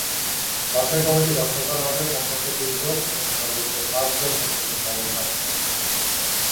বাছাই কমিটি গঠন করা হবে কমপক্ষে তিনজন এবং সর্বোচ্চ পাঁচজন সদস্যের সমন্বয়ে।